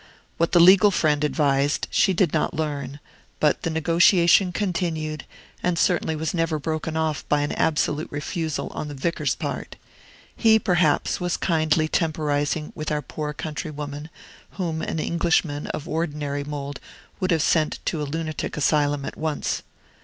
What the legal friend advised she did not learn; but the negotiation continued, and certainly was never broken off by an absolute refusal on the vicar's part. He, perhaps, was kindly temporizing with our poor countrywoman, whom an Englishman of ordinary mould would have sent to a lunatic asylum at once.